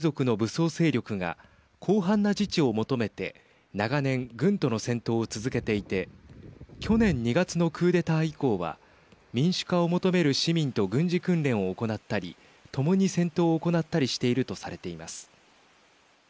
カチン州では少数民族の武装勢力が広範な自治を求めて長年、軍との戦闘を続けていて去年２月のクーデター以降は民主化を求める市民と軍事訓練を行ったり共に戦闘を行ったりしているとされています。